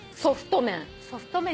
ソフト麺。